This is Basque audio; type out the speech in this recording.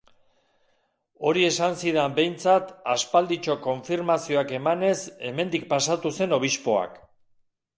Hori esan zidan behintzat aspalditxo konfirmazioak emanez hemendik pasatu zen obispoak.